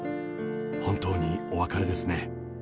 本当にお別れですね。